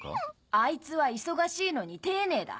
あいつは忙しいのに丁寧だ。